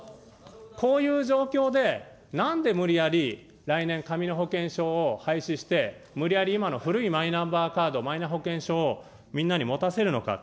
こういう状況で、なんで無理やり来年、紙の保険証を廃止して、無理やり今の古いマイナンバーカード、マイナ保険証をみんなに持たせるのか。